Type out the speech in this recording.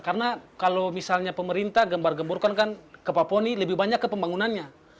karena kalau misalnya pemerintah gembar gemburkan kan ke papua ini lebih banyak ke pembangunannya